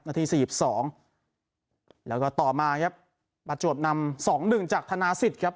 นาทีสี่สิบสองแล้วก็ต่อมาครับประจวบนำสองหนึ่งจากธนาสิตครับ